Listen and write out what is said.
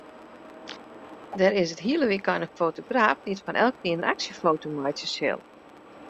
Der is it hiele wykein in fotograaf dy't fan elkenien in aksjefoto meitsje sil.